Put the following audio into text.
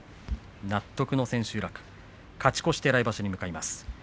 納得の千秋楽勝ち越して来場所に向かいます。